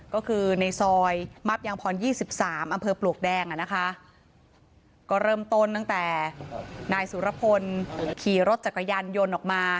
ก็คือในซอยมับยังพร๒๓อำเภอปลวกแดงอ่ะนะคะก็เริ่มต้นตั้งแต่นายสุรพลขี่รถจักรยานยนต์ออกมา